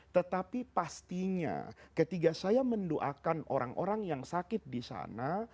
tetapi pastinya ketika saya mendoakan orang orang yang sakit di sana